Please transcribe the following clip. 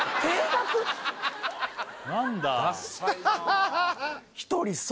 何だ